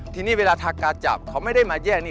ทีนี้เวลาทากาจับเขาไม่ได้มาแยกนี่